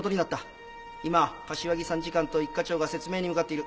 今柏木参事官と１課長が説明に向かっている。